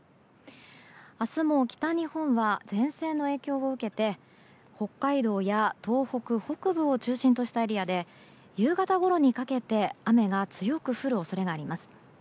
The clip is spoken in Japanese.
明日も北日本は前線の影響を受けて北海道や東北北部を中心としたエリアで夕方ごろにかけて雨が強く降る恐れがあります。